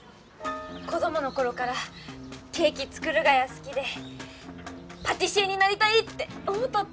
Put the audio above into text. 子どもの頃からケーキ作るがや好きでパティシエになりたいって思とったんです。